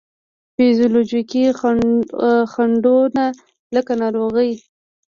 فزیولوجیکي خنډو نه لکه ناروغي،